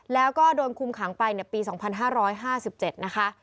แล้วก็โดนคุมขังไปปี๒๕๕๗นะคะ